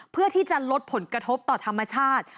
เพื่อที่จะลดผลกระทบต่อธรรมชาติ